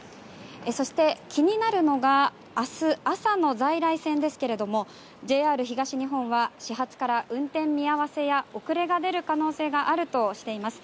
そして、気になるのが明日朝の在来線ですけれどもＪＲ東日本は始発から運転見合わせや遅れが出る可能性があるとしています。